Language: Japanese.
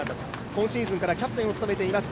今シーズンからキャプテンを務めています